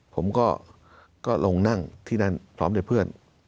ผมก็ลงนั่งที่นั่นพร้อมด้วยเพื่อน